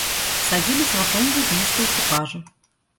Садились на тумбу вместо экипажа.